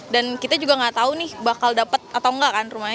dan kita juga nggak tahu nih bakal dapat atau nggak kan rumahnya